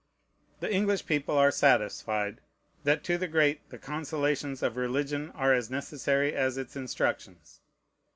The English people are satisfied, that to the great the consolations of religion are as necessary as its instructions.